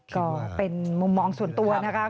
ก็เป็นมุมมองส่วนตัวนะคะ